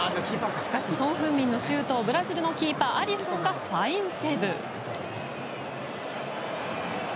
しかしソン・フンミンのシュートはブラジルのキーパーアリソンがファインセーブ。